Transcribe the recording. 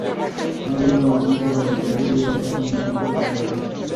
নগেন্দ্র নতমুখে ঘর হইতে বাহির হইবার পথ অন্বেষণ করিতে লাগিল।